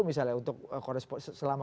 misalnya untuk selama